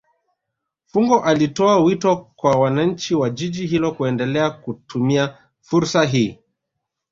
fungo alitoa wito kwa wananchi wa jiji hilo kuendelea kutumia fursa hiyo